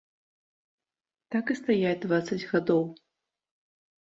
Так і стаяць дваццаць гадоў.